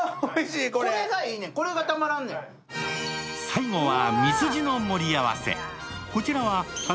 最後はミスジの盛り合わせ。